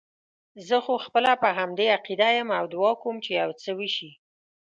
زه خو خپله په همدې عقیده یم او دعا کوم چې یو څه وشي.